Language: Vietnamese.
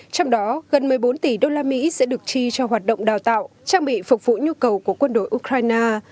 trong đó gần một mươi bốn tỷ đô la mỹ sẽ được chi cho hoạt động đào tạo trang bị phục vụ nhu cầu của quân đội ukraine